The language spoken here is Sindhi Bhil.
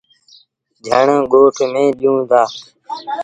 جھڻ ڳوٺ ميݩ ڏيوٚن دآ۔